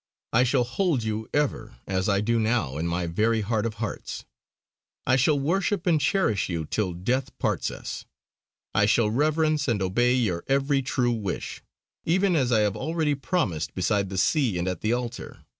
I shall hold you ever, as I do now, in my very heart of hearts. I shall worship and cherish you till death parts us. I shall reverence and obey your every true wish; even as I have already promised beside the sea and at the altar.